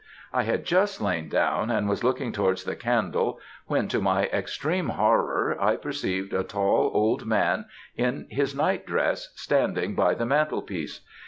I had just lain down, and was looking towards the candle, when, to my extreme horror, I perceived a tall old man in his night dress, standing by the mantlepiece.